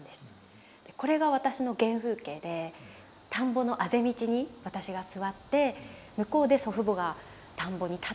これが私の原風景で田んぼのあぜ道に私が座って向こうで祖父母が田んぼに立ってる。